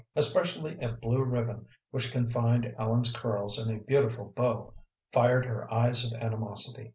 Especially a blue ribbon which confined Ellen's curls in a beautiful bow fired her eyes of animosity.